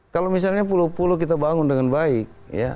kalau misalnya pulau pulau kita bangun dengan baik